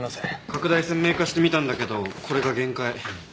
拡大鮮明化してみたんだけどこれが限界。